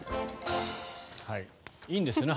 いいんですよね？